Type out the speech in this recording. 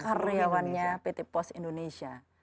karyawannya pt pos indonesia